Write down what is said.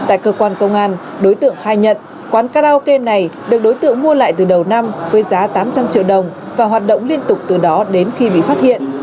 tại cơ quan công an đối tượng khai nhận quán karaoke này được đối tượng mua lại từ đầu năm với giá tám trăm linh triệu đồng và hoạt động liên tục từ đó đến khi bị phát hiện